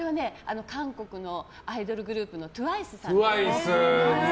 韓国のアイドルグループのＴＷＩＣＥさんです。